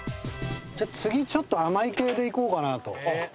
次ちょっと甘い系でいこうかなと。